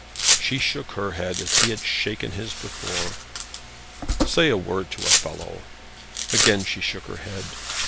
She shook her head, as he had shaken his before. "Say a word to a fellow." Again she shook her head.